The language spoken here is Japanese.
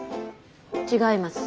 違います。